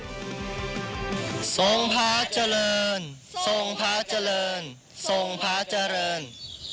หรือกูสงภาจร์เจริญสงภาจร์เจริญสงภาจร์เจริญ